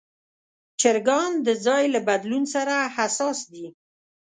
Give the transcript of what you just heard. چرګان د ځای له بدلون سره حساس دي.